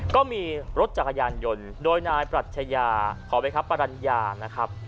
ก็มีรถจักรยานยนต์โดยนายปรัชญาขอไปครับปรัญญานะครับ